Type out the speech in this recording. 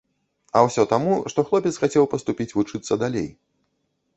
А ўсё таму, што хлопец хацеў паступіць вучыцца далей.